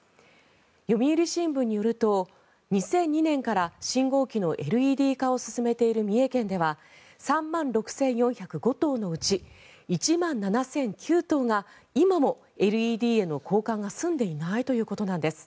読売新聞によると２００２年から信号機のＬＥＤ化を進めている三重県では３万６４０５灯のうち１万７００９灯が今もＬＥＤへの交換が済んでいないということなんです。